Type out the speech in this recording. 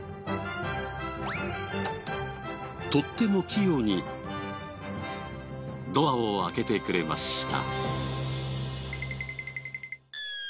とっても器用にドアを開けてくれました。